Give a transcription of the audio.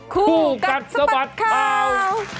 คู่กัดสะบัดข่าว